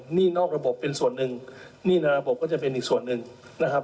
หนี้นอกระบบเป็นส่วนหนึ่งหนี้ในระบบก็จะเป็นอีกส่วนหนึ่งนะครับ